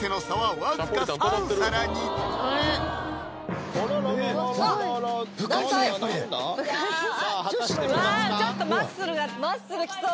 わぁちょっとマッスルがマッスル来そう！